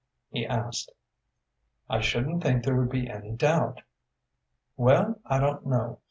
he asked. "I shouldn't think there would be any doubt." "Well, I don't know.